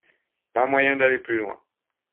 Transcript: Pas moyen d'aller plus loin.